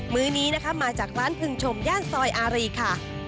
ื้อนี้นะคะมาจากร้านพึงชมย่านซอยอารีค่ะ